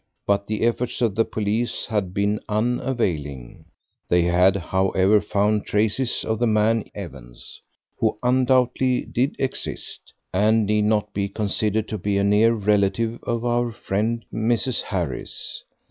But the efforts of the police had been unavailing; they had, however, found traces of the man Evans, who undoubtedly did exist, and need not be considered to be a near relative of our friend Mrs. Harris.